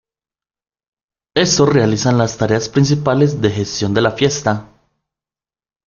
Estos realizan las tareas principales de gestión de la fiesta.